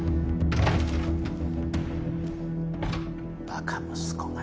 バカ息子が。